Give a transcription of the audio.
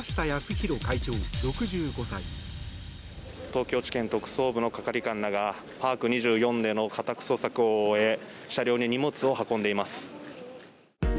東京地検特捜部の係官らがパーク２４での家宅捜索を終え車両に荷物を運んでいます。